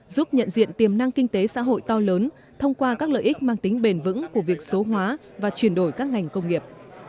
giúp nhận diện tiềm năng kinh tế xã hội to lớn thông qua các lợi ích mang tính bền vững của việc số hóa và chuyển đổi các ngành công nghiệp